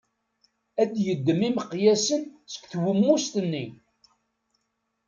Ad d-yeddem imeqyasen seg twemmust-nni.